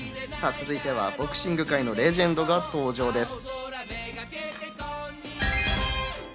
続いてはボクシング界のレジェンドが登場です。